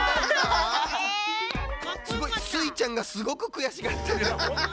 スイちゃんがすごくくやしがってる。